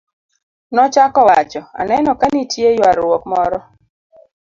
nochako wacho, aneno ka nitie ywaruok moro